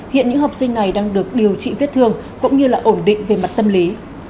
hiện những học sinh này đang được điều trị vết thương cũng như là ổn định về mặt tâm lý